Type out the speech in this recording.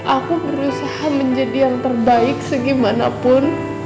aku berusaha menjadi yang terbaik segimanapun